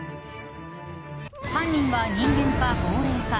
犯人は人間か、亡霊か。